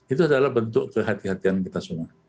itu adalah bentuk kehatian kehatian kita semua